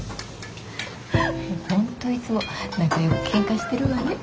フフフ本当いつも仲よくケンカしてるわね。